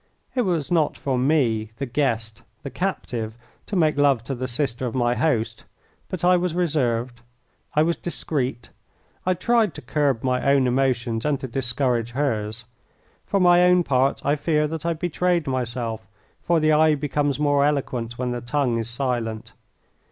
It was not for me, the guest, the captive, to make love to the sister of my host. But I was reserved. I was discreet. I tried to curb my own emotions and to discourage hers. For my own part I fear that I betrayed myself, for the eye becomes more eloquent when the tongue is silent.